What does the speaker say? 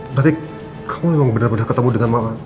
berarti kamu emang bener bener ketemu dengan mama